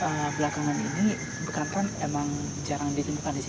nah belakangan ini bekantan emang jarang ditemukan di sini